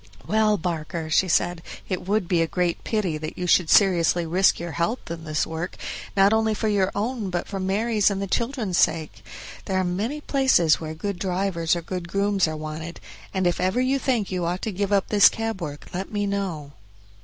"Well, Barker," she said, "it would be a great pity that you should seriously risk your health in this work, not only for your own but for Mary's and the children's sake; there are many places where good drivers or good grooms are wanted, and if ever you think you ought to give up this cab work let me know."